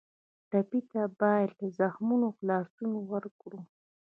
ټپي ته باید له زخمونو خلاصون ورکړو.